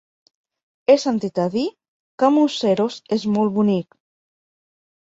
He sentit a dir que Museros és molt bonic.